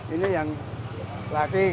ini yang laki